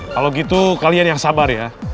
kalau gitu kalian yang sabar ya